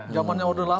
jamannya udah lama